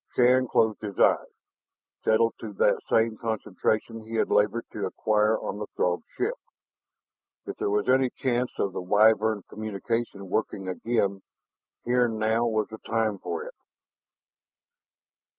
Shann closed his eyes, settled to that same concentration he had labored to acquire on the Throg ship. If there was any chance of the Wyvern communication working again, here and now was the time for it!